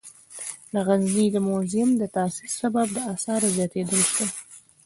د غزني د موزیم د تاسیس سبب د آثارو زیاتیدل شول.